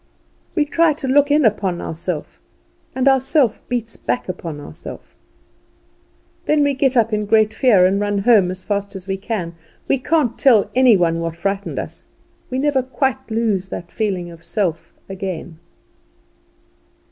We try to look in upon ourselves, and ourself beats back upon ourself. Then we get up in great fear and run home as hard as we can. We can't tell any one what frightened us. We never quite lose that feeling of self again.